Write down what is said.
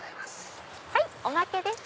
はいおまけです。